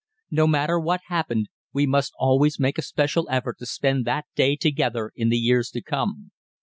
No matter what happened, we must always make a special effort to spend that day together in the years to come.